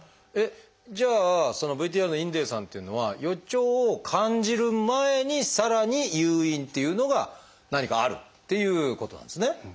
じゃあそのＶＴＲの因泥さんっていうのは予兆を感じる前にさらに誘因っていうのが何かあるっていうことなんですね。